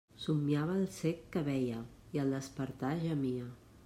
Somniava el cec que veia, i al despertar gemia.